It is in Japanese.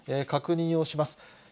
確認をします。